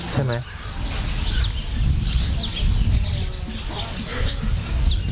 ใช่ไหม